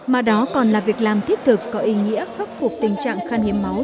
mà đó còn là việc làm thiết thực có ý nghĩa khắc phục tình trạng khan hiếm máu